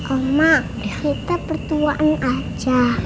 oma kita berduaan aja